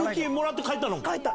帰った。